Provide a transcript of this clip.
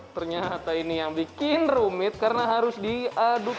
ternyata ini yang bikin rumit karena harus diaduk